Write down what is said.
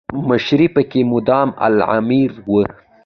مشري پکې مادام العمر وه.